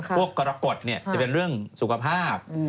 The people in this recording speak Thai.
พวกกรกฎเนี่ยจะเป็นเรื่องสุขภาพ